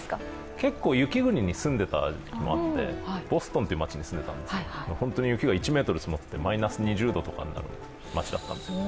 結構雪国に住んでいた時期もあって、ボストンという街に住んでいたんですけど、雪が１ｍ降ってマイナス２０度とかになりました。